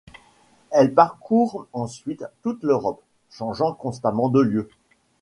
Elle parcourt ensuite toute l'Europe, changeant constamment de lieu.